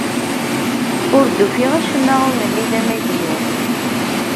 Ur d-ufiɣ acemma ur nelli d amagnu.